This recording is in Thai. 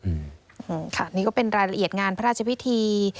อืมค่ะนี่ก็เป็นรายละเอียดงานพระราชพิธี